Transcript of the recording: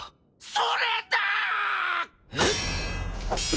それだー！